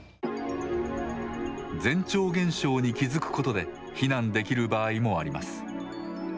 前兆現象に気付くことで避難できる場合もあります。